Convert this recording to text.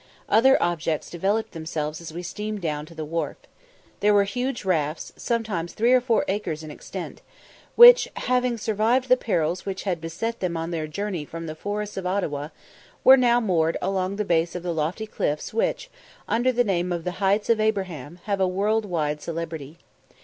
Other objects developed themselves as we steamed down to the wharf. There were huge rafts, some three or four acres in extent, which, having survived the perils which had beset them on their journey from the forests of the Ottawa, were now moored along the base of the lofty cliffs which, under the name of the Heights of Abraham, have a world wide celebrity.